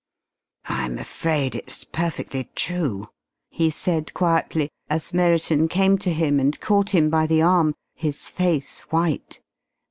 "I'm afraid it's perfectly true," he said quietly, as Merriton came to him and caught him by the arm, his face white.